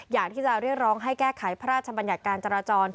อยากที่จะเรียกร้องให้แก้ไขพระราชบัญญัติการจราจร